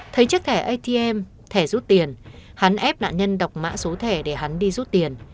thấy chiếc thẻ atm thẻ rút tiền hắn ép nạn nhân đọc mã số thẻ để hắn đi rút tiền